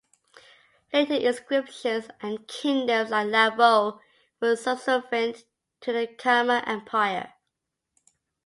Later inscriptions and kingdoms like Lavo were subservient to the Khmer Empire.